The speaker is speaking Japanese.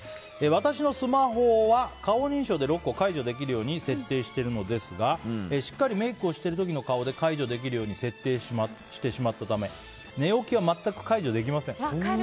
私のスマホは顔認証でロックを解除できるように設定していますがしっかりメイクをしている時の顔で解除できるように設定してしまったため寝起きは全く解除できません。